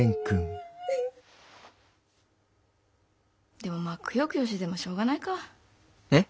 でもまあくよくよしててもしょうがないか。え？